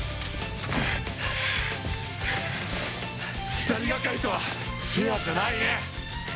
２人がかりとはフェアじゃないね。